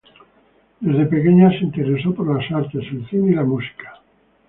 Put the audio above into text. Desde pequeña se interesó por las artes, el cine y la música.